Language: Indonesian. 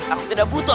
aku tidak butuh